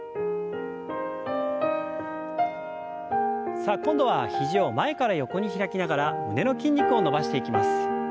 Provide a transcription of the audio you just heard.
さあ今度は肘を前から横に開きながら胸の筋肉を伸ばしていきます。